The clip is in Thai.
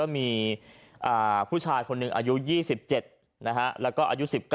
มีผู้ชายคนหนึ่งอายุ๒๗แล้วก็อายุ๑๙